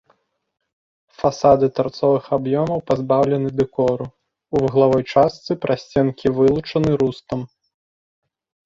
Фасады тарцовых аб'ёмаў пазбаўлены дэкору, у вуглавой частцы прасценкі вылучаны рустам.